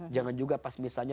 jangan juga pas misalnya